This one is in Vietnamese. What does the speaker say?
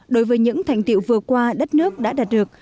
đối với những thành tiệu vừa qua đất nước đã đạt được